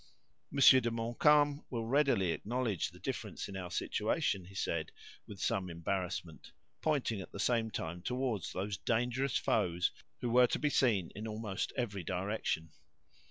"Monsieur de Montcalm will readily acknowledge the difference in our situation," he said, with some embarrassment, pointing at the same time toward those dangerous foes, who were to be seen in almost every direction.